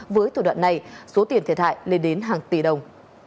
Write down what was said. với thủ đoạn này số tiền thiệt hại lên đến hàng tỷ đồng